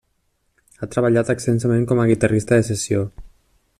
Ha treballat extensament com a guitarrista de sessió.